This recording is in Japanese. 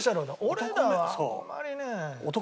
俺らはあんまりね。